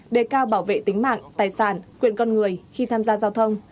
đề cao bảo vệ tính mạng tài sản quyền con người khi tham gia giao thông